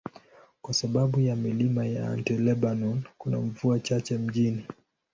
Kwa sababu ya milima ya Anti-Lebanon, kuna mvua chache mjini.